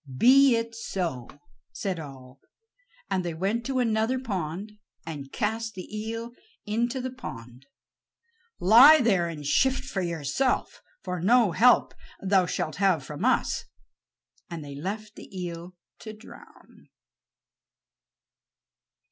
"Be it so," said all. And they went to another pond, and cast the eel into the pond. "Lie there and shift for yourself, for no help thou shalt have from us"; and they left the eel to drown.